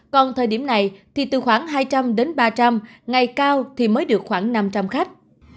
còn thời điểm này thì từ khoảng hai trăm linh đến ba trăm linh ngày cao thì mới được khoảng năm trăm linh khách